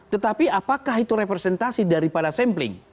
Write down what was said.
tetapi apakah itu representasi daripada sampling